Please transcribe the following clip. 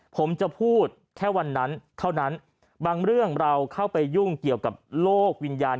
ผมจะพูดแค่วันนั้นเท่านั้นบางเรื่องเราเข้าไปยุ่งเกี่ยวกับโลกวิญญาณ